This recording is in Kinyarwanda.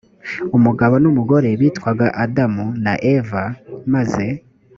umugabo n umugore bitwaga adamu na eva maze